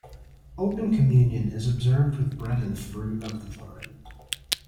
Open communion is observed with bread and fruit of the vine.